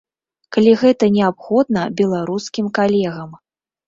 Калі гэта неабходна беларускім калегам.